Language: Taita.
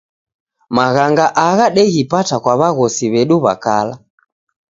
Maghanga agha deghipata kwa w'aghosi w'edu w'a kala.